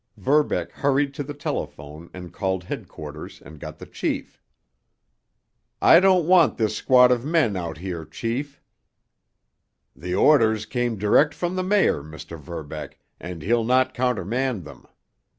Verbeck hurried to the telephone, and called headquarters and got the chief. "I don't want this squad of men out here, chief," he said. "The orders come direct from the mayor, Mr. Verbeck, and he'll not countermand them.